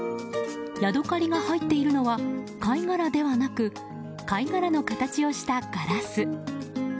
ヤドカリが入っているのは貝殻ではなく貝殻の形をしたガラス。